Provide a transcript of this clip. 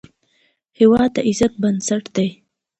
هېواد د عزت بنسټ دی.